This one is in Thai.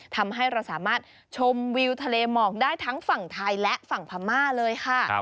ทำให้เราสามารถชมวิวทะเลหมอกได้ทั้งฝั่งไทยและฝั่งพม่าเลยค่ะ